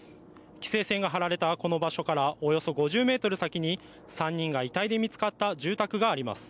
規制線が張られたこの場所からおよそ５０メートル先に３人が遺体で見つかった住宅があります。